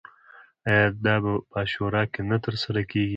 آیا دا په عاشورا کې نه ترسره کیږي؟